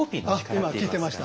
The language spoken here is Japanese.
あ今聞いてました。